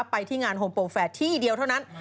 ไปที่งานโฮมโปรแฟร์ที่เดียวเท่านั้น